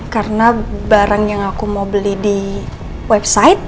karena barang yang aku mau beli itu gak ada yang bisa diberikan